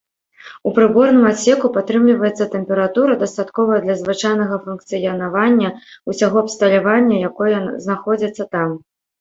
У прыборным адсеку падтрымліваецца тэмпература, дастатковая для звычайнага функцыянавання ўсяго абсталяванне, якое знаходзяцца там.